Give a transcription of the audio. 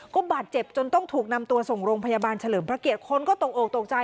ก็บาดเจ็บจนต้องถูกนำตัวส่งโรงพยาบาลเฉลิมพระเกียรติคนก็ตกอกตกใจ